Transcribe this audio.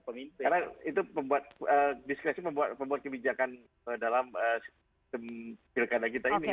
karena itu diskresi pembuat kebijakan dalam sistem pilih kata kita ini